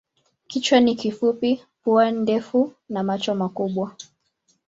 Kichwa ni kifupi, pua ndefu na macho makubwa.